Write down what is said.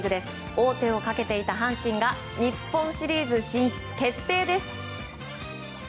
王手をかけていた阪神が日本シリーズ進出決定です！